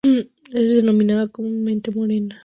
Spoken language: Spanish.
Es denominada comúnmente morena.